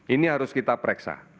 ini harus kita pereksa